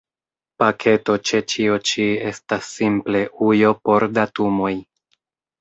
Paketo ĉe ĉio ĉi estas simple ujo por datumoj.